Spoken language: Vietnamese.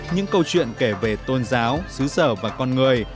những câu chuyện kể về tôn giáo xứ sở và con người